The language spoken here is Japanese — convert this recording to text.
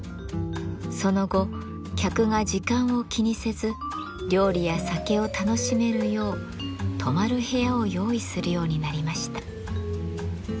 その後客が時間を気にせず料理や酒を楽しめるよう泊まる部屋を用意するようになりました。